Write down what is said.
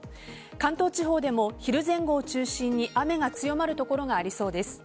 関東地方でも昼前後を中心に雨が強まる所がありそうです。